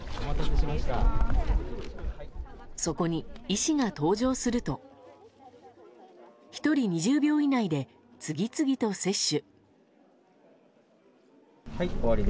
そこに、医師が登場すると１人２０秒以内で次々と接種。